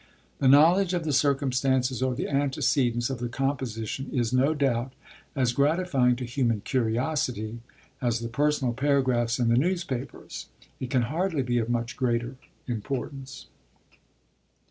The knowledge of the circumstances or the antecedents of composition is, no doubt, as gratifying to human curiosity as the personal paragraphs in the newspapers; it can hardly be of much greater importance.